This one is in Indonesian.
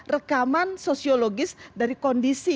keamanan sosiologis dari kondisi